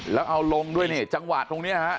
แล้วเอาลงด้วยเนี่ยจังหวะตรงเนี้ยฮะ